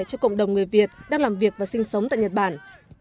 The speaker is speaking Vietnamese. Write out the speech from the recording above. cho cộng đồng người việt đang làm việc và sinh sống tại nhật bản